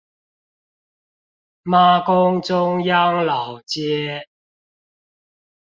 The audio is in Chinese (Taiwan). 媽宮中央老街